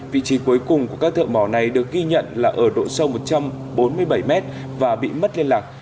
vị trí cuối cùng của các thợ mỏ này được ghi nhận là ở độ sâu một trăm bốn mươi bảy m và bị mất liên lạc